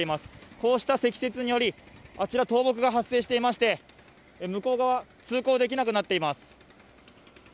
こうした積雪によりあちら倒木が発生していまして向こう側通行できなくなっています。